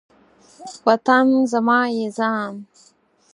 وطن زما یی ځان